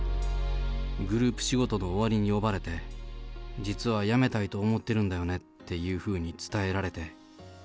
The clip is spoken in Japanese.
グループ仕事の終わりに呼ばれて、実は辞めたいと思ってるんだよねっていうふうに伝えられて。